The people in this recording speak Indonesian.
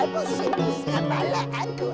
pusing pusing kepala aku